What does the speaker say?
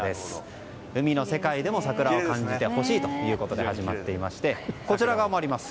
海の世界でも桜を感じてほしいということで始まっていましてこちら側もあります。